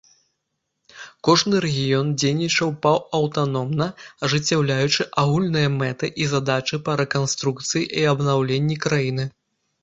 Кожны рэгіён дзейнічаў паўаўтаномна, ажыццяўляючы агульныя мэты і задачы па рэканструкцыі і абнаўленні краіны.